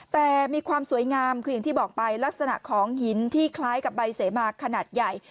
แต่มีความสวยงามคืออย่างที่บอกไปลักษณะของหินที่คล้ายกับใบเสมาขนาดใหญ่